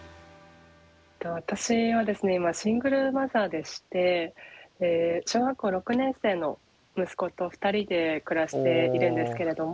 私はですね今シングルマザーでして小学校６年生の息子と２人で暮らしているんですけれども。